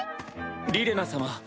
リレナ様